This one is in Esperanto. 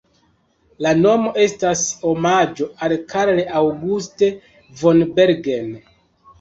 La nomo estas omaĝo al Karl August von Bergen.